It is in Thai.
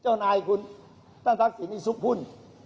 เจ้านายคุณท่านทักษิณนี่ซุกหุ้น